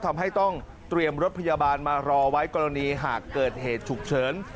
ทำให้ต้องเตรียมรถพยาบาลมารอไว้กรณีหากเกิดเหตุฉุกเฉิน